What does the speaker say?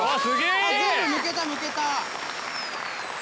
全部むけたむけた。